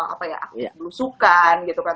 aktif belusukan gitu kan